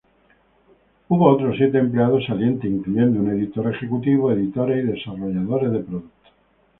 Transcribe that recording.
Hubo otros siete empleados salientes, incluyendo un editor ejecutivo, editores y desarrolladores de productos.